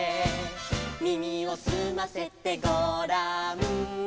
「耳をすませてごらん」